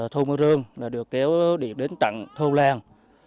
thôn mưa rương được kéo điện đến trận thôn làng